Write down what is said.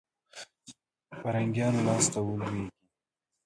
فرنګیانو لاسته ولوېږي.